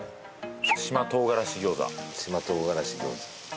島唐辛子餃子島唐辛子餃子